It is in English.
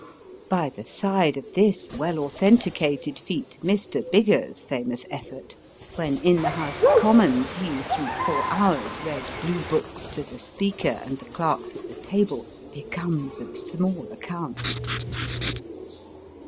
By the side of this well authenticated feat Mr. Biggar's famous effort, when in the House of Commons he through four hours read Blue Books to the Speaker and the clerks at the table, becomes of small account.